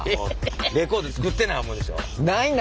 レコード作ってない思うでしょ？